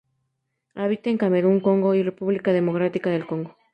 Habita en Camerún, Congo y República Democrática del Congo.